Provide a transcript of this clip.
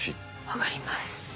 分かります。